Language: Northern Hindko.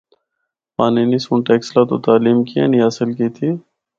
پانینی سنڑ ٹیکسلا تو تعلیم کیاں نیں حاصل کیتی۔